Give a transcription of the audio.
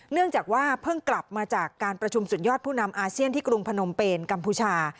เนื่องจากว่าเพิ่งกลับมาจากการประชุมสุดยอดผู้นำอาเซียนที่กรุงพนมเป็นกัมพูชา